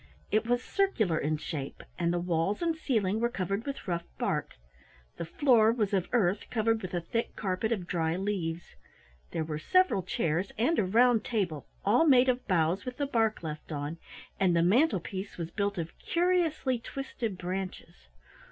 It was circular in shape and the walls and ceiling were covered with rough bark. The floor was of earth, covered with a thick carpet of dry leaves. There were several chairs and a round table all made of boughs with the bark left on and the mantel piece was built of curiously twisted branches.